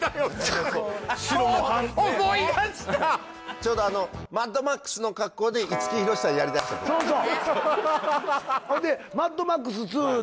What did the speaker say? ちょうど「マッドマックス」の格好で五木ひろしさんやり出したときそうそう！